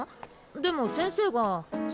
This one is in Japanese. でも先生が。